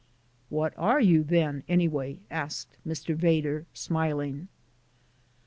"What are you then, anyway?" asked Mr. Vedder, smiling.